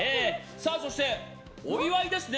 そしてお祝いですね。